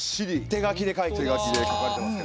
手書きで書いています。